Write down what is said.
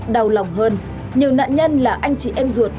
đau lòng hơn nhiều nạn nhân là anh chị em ruột